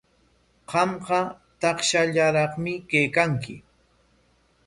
Qamqa takshallaraqmi kaykanki.